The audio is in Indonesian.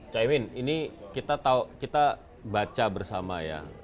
cak imin ini kita baca bersama ya